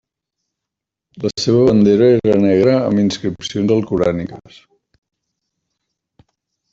La seva bandera era negra amb inscripcions alcoràniques.